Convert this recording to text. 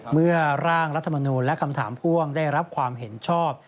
เมื่อร่างรัฐมนูลและคำถามพ่วงได้รับความเห็นชอบ